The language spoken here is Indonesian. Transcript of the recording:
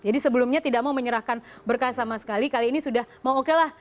jadi sebelumnya tidak mau menyerahkan berkah sama sekali kali ini sudah mau oke lah